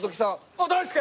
あっ大介！